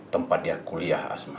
tempat dia kuliah asma